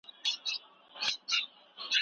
ایا د سهار چای به زما د سر دروندوالی لرې کړي؟